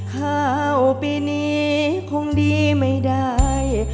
เข้าไปนี่คงดีไม่ได้